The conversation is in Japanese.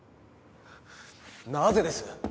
なぜです？